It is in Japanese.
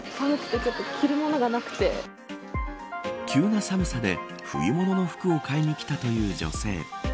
急な寒さで冬物の服を買いに来たという女性。